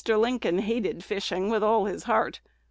Lincoln hated fishing with all his heart.